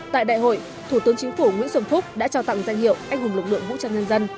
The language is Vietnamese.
tại đại hội thủ tướng chính phủ nguyễn xuân phúc đã trao tặng danh hiệu anh hùng lực lượng vũ trang nhân dân